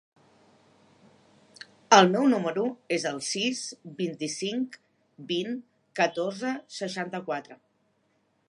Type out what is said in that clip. El meu número es el sis, vint-i-cinc, vint, catorze, seixanta-quatre.